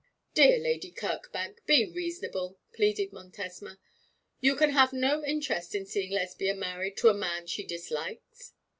'Dear Lady Kirkbank, be reasonable,' pleaded Montesma; 'you can have no interest in seeing Lesbia married to a man she dislikes.'